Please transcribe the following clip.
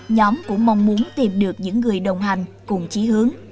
nhóm cũng mong muốn tìm được những người đồng hành cùng chí hướng